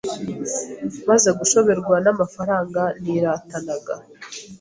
Maze gushoberwa n’amafaranga niratanaga